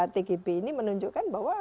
tgp ini menunjukkan bahwa